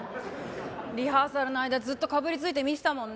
リハーサルの間ずっとかぶりついて見てたもんね。